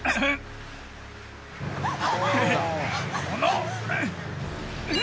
この。